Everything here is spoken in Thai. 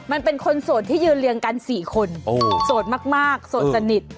มันเป็นคนโสดที่ยืนเรียงกัน๔คนโสดมากโสดสนิท